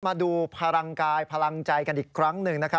มาดูพลังกายพลังใจกันอีกครั้งหนึ่งนะครับ